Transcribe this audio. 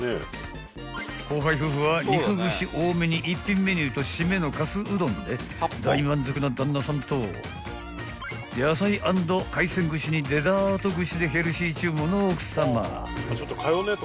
［後輩夫婦は肉串多めに一品メニューと締めのかすうどんで大満足な旦那さんと野菜＆海鮮串にデザート串でヘルシー注文の奥さま］